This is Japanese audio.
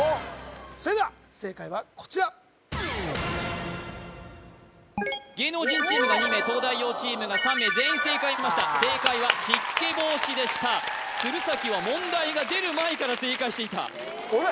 それでは正解はこちら芸能人チームが２名東大王チームが３名全員正解しました正解は湿気防止でした鶴崎は問題が出る前から正解していたあれ？